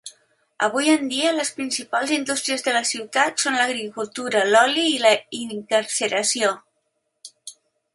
Avui en dia, les principals indústries de la ciutat són l'agricultura, l'oli i la incarceració.